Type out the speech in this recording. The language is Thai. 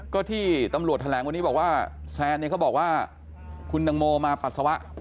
ก็ที่ตำรวจแถลงวันนี้บอกว่าแซนเนี่ยเขาบอกว่าคุณตังโมมาปัสสาวะ